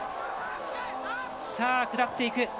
さあ、下っていく。